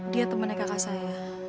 dia temannya kakak saya